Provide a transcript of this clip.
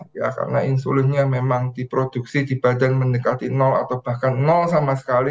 karena insulinnya memang diproduksi di badan mendekati atau bahkan sama sekali